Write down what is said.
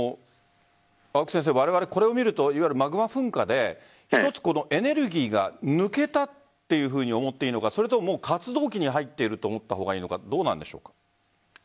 われわれ、これを見るとマグマ噴火で一つ、エネルギーが抜けたというふうに思っていいのかそれとも活動期に入っていると思った方がいいのかどうなんでしょうか。